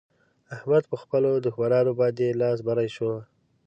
احمد په خپلو دښمانانو باندې لاس بری شو.